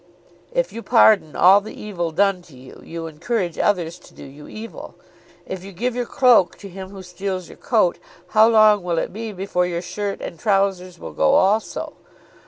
If you pardon all the evil done to you, you encourage others to do you evil! If you give your cloak to him who steals your coat, how long will it be before your shirt and trousers will go also?